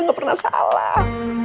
gak pernah salah